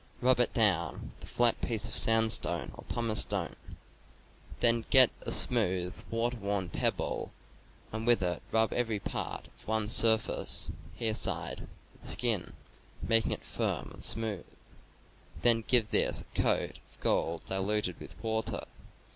Rub it down with a flat piece of sandstone or pumice stone. Then get a smoothe, water worn pebble and with it rub every part of one surface (hair side) of the skin, making it firm and TROPHIES, BUCKSKIN, RAWHIDE 289 smoothe. Then give this a coat of gall diluted with water.